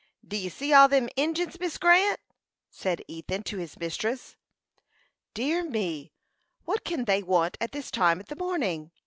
"D'ye see all them Injins, Miss Grant?" said Ethan to his mistress. "Dear me! What can they want at this time in the morning?